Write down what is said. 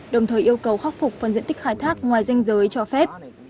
đồng thời yêu cầu khắc phục phần diện tích khai thác ngoài danh giới cho phép